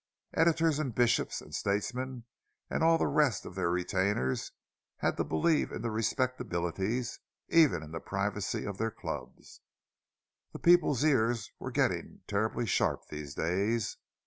Editors and bishops and statesmen and all the rest of their retainers had to believe in the respectabilities, even in the privacy of their clubs—the people's ears were getting terribly sharp these days!